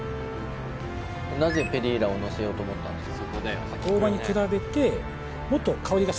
なぜペリーラをのせようと思ったんですか？